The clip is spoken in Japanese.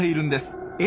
え？